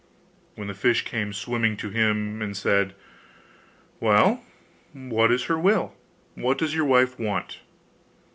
Then the fish came swimming to him, and said, 'Well, what is her will? What does your wife want?